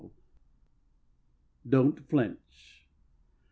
Don 't Flinch.